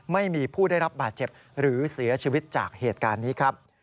ไม่มีผู้ได้รับบาดเจ็บหรือเสียชีวิตจากเหตุการณ์นี้ครับ